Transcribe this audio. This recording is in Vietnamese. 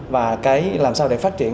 và cái làm sao để phát triển